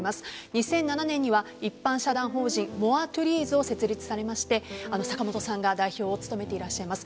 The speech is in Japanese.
２００７年には一般社団法人モアトゥリーズを設立されまして坂本さんが代表を務めていらっしゃいます。